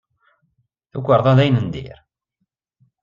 Tukerḍa d ayen n dir.